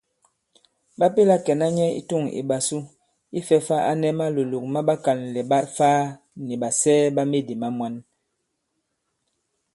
Ɓa pèla kɛ̀na nyɛ i tûŋ ìɓàsu ifɛ̄ fā a nɛ malòlòk ma ɓakànlɛ̀ ɓa Ifaa nì ɓàsɛɛ ɓa medì ma mwan.